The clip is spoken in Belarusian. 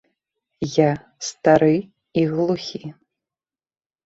Я стары і глухі.